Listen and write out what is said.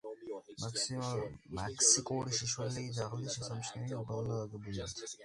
მექსიკური შიშველი ძაღლი შესამჩნევია უბალნო აგებულებით.